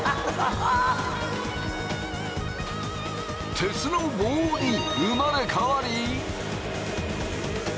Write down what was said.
鉄の棒に生まれ変わり。